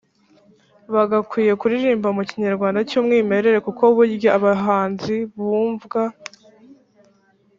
bagakwiye kuririmba mu kinyarwanda cy’umwimerere kuko burya abahanzi bumvwa